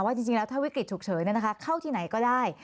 จริงแล้วถ้าวิกฤตฉุกเฉินเข้าที่ไหนก็ได้